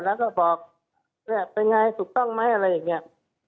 แล้วก็บอกเนี่ยเป็นไงถูกต้องไหมอะไรอย่างนี้